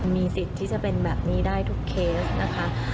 มีสิทธิ์ที่จะเป็นแบบนี้ได้ทุกเคสนะคะ